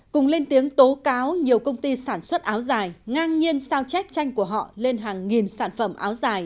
cùng lên tiếng tố cáo nhiều công ty sản xuất áo dài ngang nhiên sao chép tranh của họ lên hàng nghìn sản phẩm áo dài